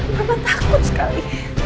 mama takut sekali